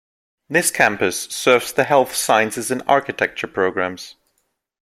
This campus serves the Health Sciences and Architecture programs.